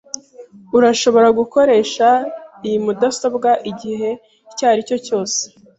Urashobora gukoresha iyi mudasobwa igihe icyo aricyo cyose.